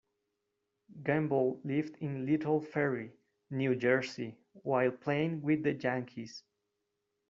Gamble lived in Little Ferry, New Jersey while playing with the Yankees.